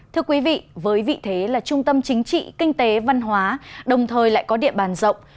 thưa quý vị với vị thế là trung tâm chính trị kinh tế văn hóa đồng thời lại có địa bàn rộng